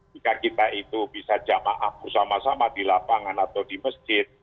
jika kita itu bisa jamaah bersama sama di lapangan atau di masjid